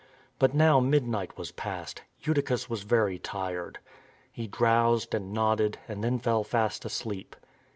But now midnight was past. Eutychus was very tired. He drowsed and nodded and then fell fast asleep.